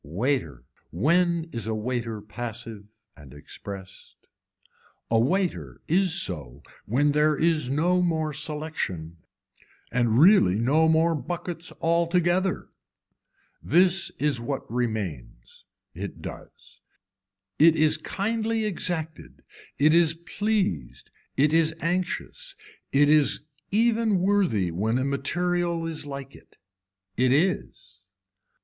Waiter, when is a waiter passive and expressed, a waiter is so when there is no more selection and really no more buckets altogether. This is what remains. It does. It is kindly exacted, it is pleased, it is anxious, it is even worthy when a material is like it. It is.